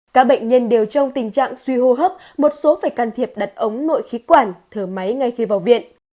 các bệnh nhân đều trong tình trạng suy hô hấp một số phải can thiệp đặt ống nội khí quản thở máy ngay khi vào viện